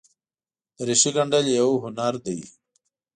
دریشي ګنډل یوه هنر دی.